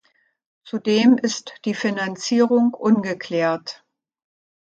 Zudem ist die Finanzierung ungeklärt.